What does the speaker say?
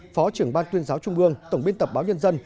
phó trưởng ban tuyên giáo trung mương tổng biên tập báo nhân dân